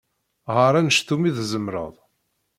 Ɣer anect umi tzemreḍ.